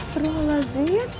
tidak perlu lah zain